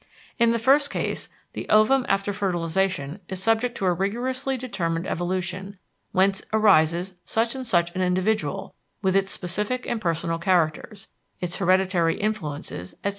In the first case, the ovum after fertilization is subject to a rigorously determined evolution whence arises such and such an individual with its specific and personal characters, its hereditary influences, etc.